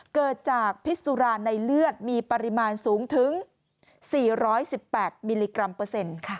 เกิดจากพิษสุราในเลือดมีปริมาณสูงถึง๔๑๘มิลลิกรัมเปอร์เซ็นต์ค่ะ